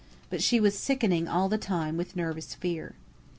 But she was sickening all the time with nervous fear.